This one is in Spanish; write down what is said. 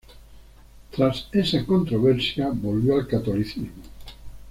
Tras esa controversia, volvió al catolicismo.